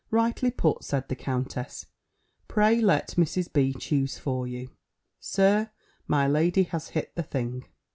"Rightly put," said the countess. "Pray let Mrs. B. choose for you, Sir. My lady has hit the thing."